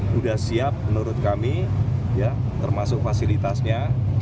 sudah siap menurut kami termasuk fasilitasnya